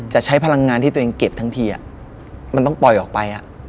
ใช้พลังงานที่ตัวเองเก็บทั้งทีมันต้องปล่อยออกไป